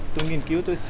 tôi nghiên cứu tôi xử